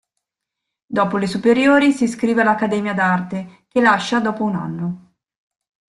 Dopo le superiori si iscrive all'accademia d'arte, che lascia dopo un anno.